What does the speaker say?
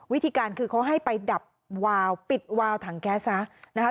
วิธีการคือเขาให้ไปดับวาวปิดวาวถังแก๊สซะนะคะ